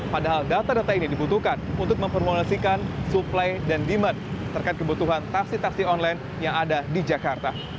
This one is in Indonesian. padahal data data ini dibutuhkan untuk memformulasikan supply dan demand terkait kebutuhan taksi taksi online yang ada di jakarta